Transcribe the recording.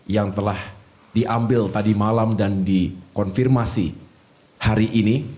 yang telah diambil tadi malam dan dikonfirmasi hari ini